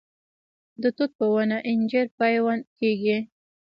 د توت په ونه انجیر پیوند کیږي؟